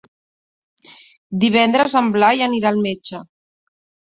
Divendres en Blai anirà al metge.